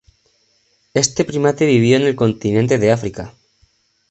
Este primate vivió en el continente de África.